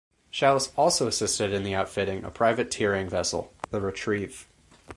Shallus also assisted in the outfitting a privateering vessel, the "Retrieve".